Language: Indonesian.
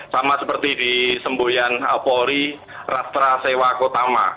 sama seperti di sembuhian pori rastra sewak utama